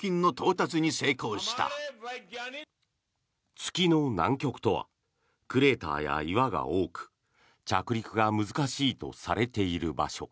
月の南極とはクレーターや岩が多く着陸が難しいとされている場所。